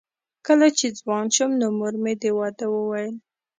کله چې ځوان شوم نو مور مې د واده وویل